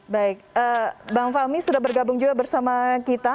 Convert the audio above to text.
baik bang fahmi sudah bergabung juga bersama kita